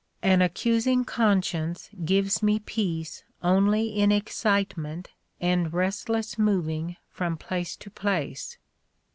... An accusing conscience gives me peace only in excitement and restless moving from place to place."